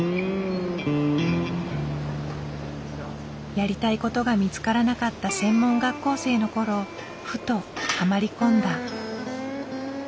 やりたいことが見つからなかった専門学校生の頃ふとハマり込んだ。